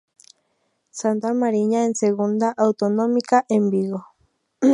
Santa Mariña en segunda autonómica en Vigo.